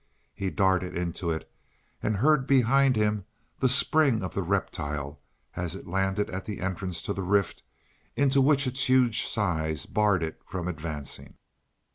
He darted into it; and heard behind him the spring of the reptile as it landed at the entrance to the rift into which its huge size barred it from advancing.